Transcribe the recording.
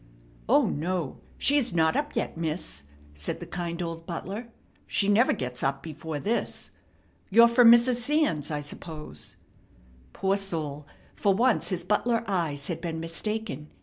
"O no, she is not up yet, miss," said the kind old butler; "she never gets up before this. You're from Mrs. Sands, I suppose." Poor soul, for once his butler eyes had been mistaken.